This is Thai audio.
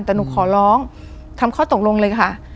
แต่หนูขอร้องทำข้อตกลงเลยค่ะ